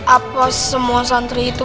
apa semua santri itu